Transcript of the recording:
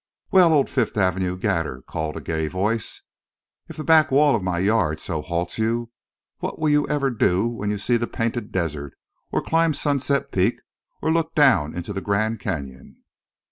"Well, old Fifth Avenue gadder!" called a gay voice. "If the back wall of my yard so halts you—what will you ever do when you see the Painted Desert, or climb Sunset Peak, or look down into the Grand Canyon?"